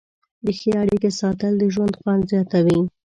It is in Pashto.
د ښې اړیکې ساتل د ژوند خوند زیاتوي.